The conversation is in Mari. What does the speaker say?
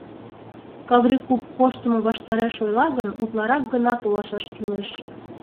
— Каври куп коштымо ваштареш ойла гын, утларак гына толашаш кӱлеш.